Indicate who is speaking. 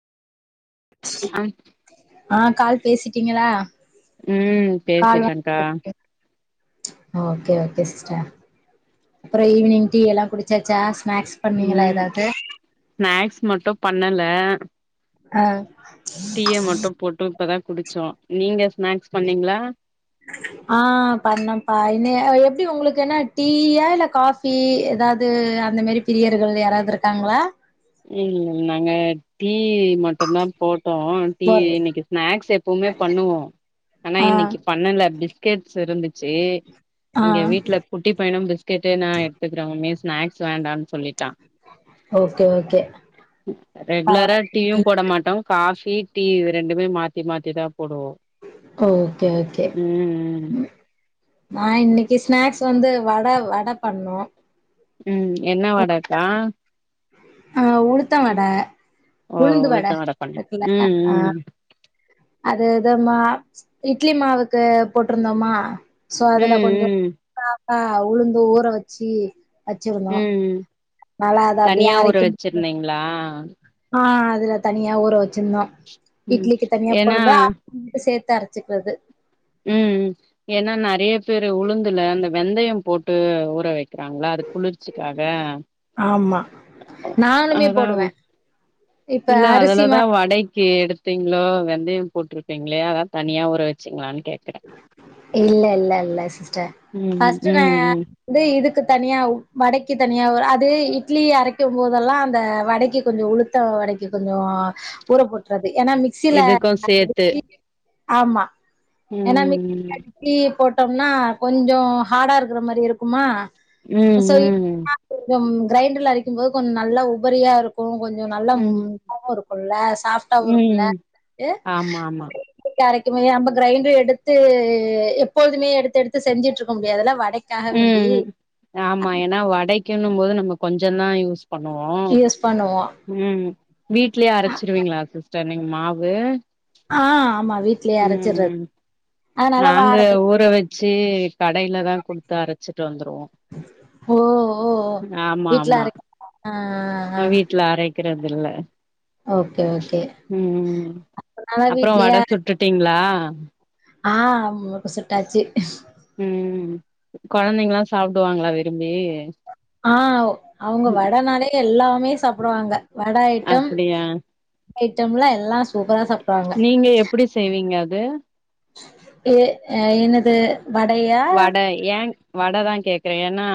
Speaker 1: ஆ
Speaker 2: அ கால் பேசிட்டீங்களா
Speaker 1: ம் பேசிடன்க்கா
Speaker 2: ம்ச் ஓகே ஓகே சிஸ்டர் அப்புறோ ஈவினிங் டீ எல்லா குடிச்சாச்சா ஸ் ஸ்நாக்ஸ் பண்ணீங்களா
Speaker 1: ம்
Speaker 2: ஏதாவது
Speaker 1: ஸ்நாக்ஸ் மட்டு பண்ணல
Speaker 2: அ
Speaker 1: டீய மட்டும் போட்டு இப்பதா குடிச்சோ நீங்கஸ்
Speaker 2: ஆ பண்ணோம்ப்பா இன்னியே [unintelligible] எப்படி உங்களுக்கு என்ன டீயா இல்ல காபி ஏதாவது அந்த மேரி பிரியர்கள் யாராவது இருக்காங்களா
Speaker 1: டீ டீ மட்டுந்தா போட்டோ டீ
Speaker 2: ஒரு
Speaker 1: இன்னிக்கு ஸ்நாக்ஸ் எப்போமே பண்ணுவோ ஆனா
Speaker 2: ஆ
Speaker 1: இன்னிக்கு பண்ணல பிஸ்கெட்ஸ் இருந்துச்சு
Speaker 2: ஆ
Speaker 1: இங்க வீட்ல குட்டி பயணம் பிஸ்கெட்டே நா எடுத்துக்கிற [unintelligible] ஸ்நாக்ஸ் வேண்டான் சொல்லிட்டா
Speaker 2: ஓகே ஓகே
Speaker 1: ரெகுலரா
Speaker 2: பரவாயில்ல
Speaker 1: டீயும் போட மாட்டோ காஃ பி டீ ரெண்டுமே மாத்தி மாத்திதா போடுவோ
Speaker 2: ஓகே ஓகே ம் நா இன்னிக்கு ஸ்நாக்ஸ் வந்து வட வட பண்ணோ
Speaker 1: ம் என்ன வடக்கா
Speaker 2: ஆ உழுத்த வட
Speaker 1: ஓ
Speaker 2: உளுந்து
Speaker 1: உழுத்த வட பண்ணேன்
Speaker 2: இருக்குல்ல ஆ
Speaker 1: ம்ம்
Speaker 2: அது ஏதோ மா இட்லி மாவுக்கு போட்டுருந்தோமா
Speaker 1: ம் ம்
Speaker 2: ஆ உளுந்து ஊற வச்சு வச்சிருந்தோ நல்லா அத அப்டியே அரைக்
Speaker 1: வெச்சுருந்தீங்களா ஆ
Speaker 2: ஆ அதுல தனியா ஊற வச்சிருந்தோ
Speaker 1: ம்
Speaker 2: இட்லிக்கு தனியா
Speaker 1: ஏன்னா
Speaker 2: போடும்ப சேத் த்தே அரச்சுக்குறது
Speaker 1: ம் ஏன்னா நறையப் பேரு உளுந்துல அந்த வெந்தயம் போட்டு ஊற வெக் குறாங்களா அது குளிர்ச்சிக்காக
Speaker 2: ஆமா நானுமே
Speaker 1: அதா
Speaker 2: போடுவே இப்ப
Speaker 1: இல்ல
Speaker 2: அரிசி மா
Speaker 1: அதுலதா வடை கீ எடுத்தீங்ளோ வெந்தயம் போட்ருக்கீங்களே அதா தனியா ஊற வச்சீங்களானு
Speaker 2: இல்ல இல்ல இல்ல சிஸ்டர்
Speaker 1: ம்
Speaker 2: ஃபர்ஸ்ட் நா
Speaker 1: ம் ம்
Speaker 2: வந்து இது க்கு தனியா வடைக்கு தனியா அது இட்லி அரைக்கும் போதெல்லா அந்த வடைக்கு கொஞ்சே உளுத்த வடைக்கு கொஞ்சே ஊறப்போட்டுறது ஏன்னா மிக்சியில
Speaker 1: இதுக்கு சேத்து
Speaker 2: அடிச்சி ஆமா ஏன்னா
Speaker 1: ம்
Speaker 2: [inaudible] போட் டோம்னா கொஞ்சோ ஹார்டா இருக்கிற மாரி இருக்குமா
Speaker 1: ம்
Speaker 2: சோ
Speaker 1: ம் ம்
Speaker 2: கொஞ்சம் கிரைண்டர்ல அரைக்கும்போது கொஞ்சோ நல்லா உபரியா இருக் கும் கொஞ்சே நல்ல ம் இருக்குல்ல சாப்டாவும் இருக்குல்ல
Speaker 1: ம் ஆமா ஆமா
Speaker 2: அ நம்ப கிரைண்டர் எடு த்து எப்போதுமே எடுத்து எடுத்து செஞ்சிட்டு இருக்க முடியாதுல வடை
Speaker 1: ம் ஆமா ஏன்னா வடை க்கின்னும் போது நம்ம கொஞ்சே தா யூஸ் பண்ணுவோ
Speaker 2: யூஸ் பண்ணுவோ
Speaker 1: ம் வீட்லே அரைச்சுருவீங்களா சிஸ்டர் நீங்க மாவு [unintelligible]
Speaker 2: ஆ ஆமா வீட்லயே
Speaker 1: ம்
Speaker 2: அரைச்சிடறது
Speaker 1: ம் நாங்க ஊற சேரி கடையில தா குடுத்து அரைச்சிட்டு வந்துருவோ
Speaker 2: ஓ ஓ ஓ
Speaker 1: ஆமா
Speaker 2: வீட்ல
Speaker 1: ஆமா
Speaker 2: அரைக்க ஆ ஆ
Speaker 1: நா வீட்ல அரை க்கிறது இல்ல
Speaker 2: ஓகே ஓகே
Speaker 1: ம் ம்
Speaker 2: அதனால
Speaker 1: அப்றோ
Speaker 2: வீட்லயே
Speaker 1: வட
Speaker 2: அர
Speaker 1: சுட்டுட்டீங்களா [inaudible]
Speaker 2: ஆ முறுக்கு சுட்டாச்சி
Speaker 1: ம் ம் கொழந்தைங்கலா சாப்டுவாங்களா விரும்பி
Speaker 2: ஆ அவங்க வடனாலே எல்லாமே சாப்டுவாங்க வட ஐட்டம்
Speaker 1: அப்படியா
Speaker 2: ஐட்டம்லாம் எல்லா சூப்பரா சாப்டுவாங்க
Speaker 1: நீங்க எப்டி செய்வீங்க அது
Speaker 2: எ அ எனது
Speaker 1: வடை ஏன் வடை தான் கேக் கிறேன் ஏன்னா